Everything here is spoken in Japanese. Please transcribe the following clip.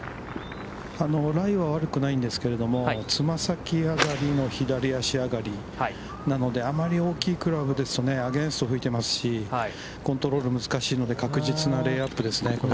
ライは悪くないんですけれども、つま先上がりの左足上がりなので、なのであまり大きいクラブですと、アゲインストが吹いていますし、コントロール難しいので、確実なレイアップですね。